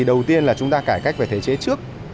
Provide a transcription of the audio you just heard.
đầu tiên là chúng ta cải cách về thể chế trước